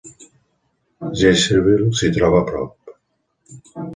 Jerseyville s'hi troba a prop.